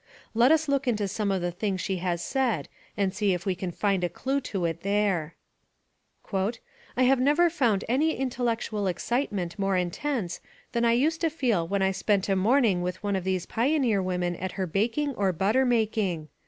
Let us look into some of the things she has said and see if we can find a clew to it there. "I have never found any intellectual excitement more intense than I used to feel when I spent a morn ing with one of these pioneer women at her baking or buttermaking.